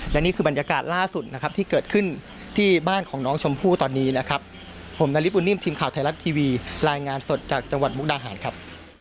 และนี่คือบรรยากาศล่าสุดนะครับที่เกิดขึ้นที่บ้านของน้องชมพู่ตอนนี้นะครับผมนาริสบุญนิ่มทีมข่าวไทยรัฐทีวีรายงานสดจากจังหวัดมุกดาหารครับ